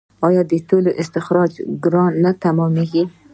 آیا د تیلو استخراج ګران نه تمامېږي؟